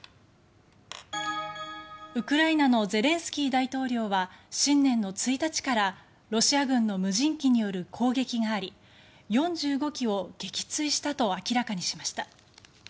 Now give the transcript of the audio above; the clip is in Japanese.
ウクライナのゼレンスキー大統領は新年の１日からロシア軍の無人機による攻撃があり４５機を撃墜したと明らかにしました。